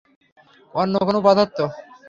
অন্য কোনো পদার্থ।